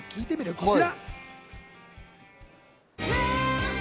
こちら。